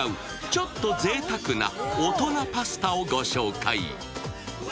ちょっとぜいたくな大人パスタをご紹介。